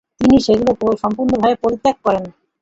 তিনি সেগুলাে সম্পূর্ণভাবে পরিত্যাগ করেন।